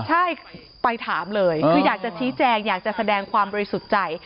ใช่ไปถามเลยคืออยากจะชี้แจงอยากจะแสดงความบริสุทธิ์ใจ